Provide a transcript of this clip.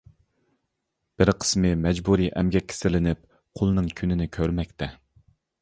بىر قىسمى مەجبۇرىي ئەمگەككە سىلىنىپ، قۇلنىڭ كۈنىنى كۆرمەكتە.